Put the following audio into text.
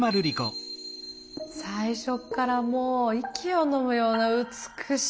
最初っからもう息をのむような美しい映像でしたね。